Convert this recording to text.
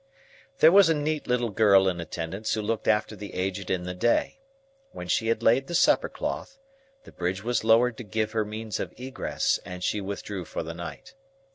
There was a neat little girl in attendance, who looked after the Aged in the day. When she had laid the supper cloth, the bridge was lowered to give her means of egress, and she withdrew for the night.